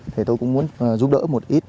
thì tôi cũng muốn giúp đỡ một ít